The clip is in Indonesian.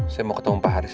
saya mau ketemu pak haris